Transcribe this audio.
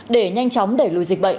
để nhanh chóng đẩy lùi dịch bệnh